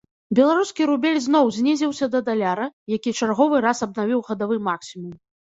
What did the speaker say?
Беларускі рубель зноў знізіўся да даляра, які чарговы раз абнавіў гадавы максімум.